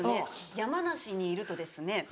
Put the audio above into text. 山梨にいるとですね